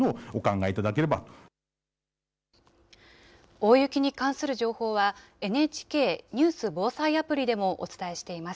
大雪に関する情報は、ＮＨＫニュース・防災アプリでもお伝えしています。